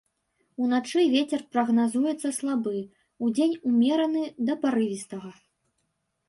Уначы вецер прагназуецца слабы, удзень умераны да парывістага.